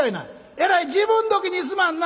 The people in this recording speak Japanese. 「えらい時分どきにすまんな」。